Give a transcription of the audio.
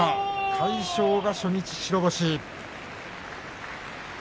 魁勝が初日白星。